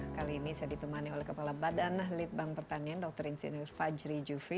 kali ini saya ditemani oleh kepala badan litbang pertanian dr insinyur fajri jufri